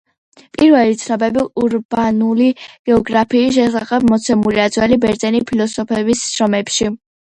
პირველი ცნობები ურბანული გეოგრაფიის შესახებ მოცემულია ძველი ბერძენი ფილოსოფოსების შრომებში.